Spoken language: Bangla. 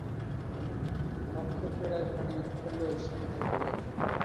নক্ষত্ররায় ভারী উৎফুল্ল ও স্ফীত হইলেন।